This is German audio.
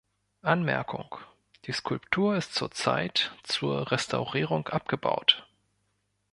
Anmerkung: Die Skulptur ist zurzeit zur Restaurierung abgebaut.